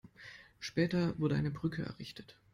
Später wurde eine Brücke errichtet.